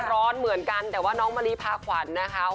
ร้อนเหมือนกันแต่ว่าน้องมะลิพาขวัญนะคะ